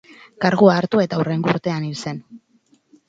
Kargua hartu eta hurrengo urtean hil zen.